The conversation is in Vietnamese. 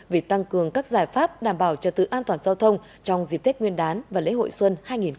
về tăng cường các giải pháp đảm bảo trật tự an toàn giao thông trong dịp tết nguyên đán và lễ hội xuân hai nghìn hai mươi bốn